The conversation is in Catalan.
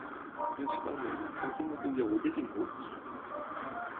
Principalment, per quin motiu hi ha hagut detinguts?